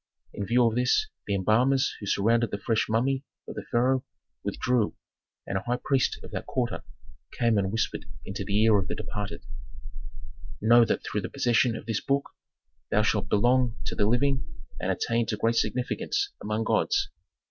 In view of this the embalmers who surrounded the fresh mummy of the pharaoh withdrew and a high priest of that quarter came and whispered into the ear of the departed: "Know that through the possession of this book thou shalt belong to the living and attain to great significance among gods.